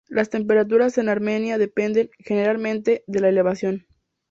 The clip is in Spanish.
Las temperaturas en Armenia dependen, generalmente, de la elevación.